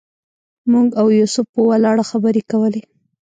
موږ او یوسف په ولاړه خبرې کولې.